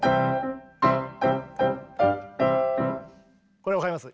これ分かります？